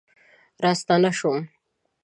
راستنه شوم